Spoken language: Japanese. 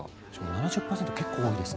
７０％結構多いですね。